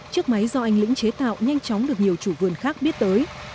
chiếc máy do anh lĩnh chế tạo nhanh chóng được nhiều chủ vườn khác biết tới